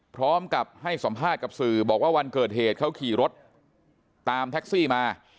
พร้อมกับให้สัมภาษณ์กับสื่อบอกว่าวันเกิดเหตุเขาขี่รถตามแท็กซี่มา